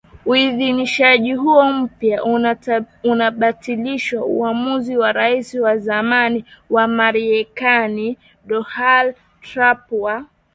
Uidhinishaji huo mpya unabatilisha uamuzi wa Raisi wa zamani wa Marekani Donald Trump wa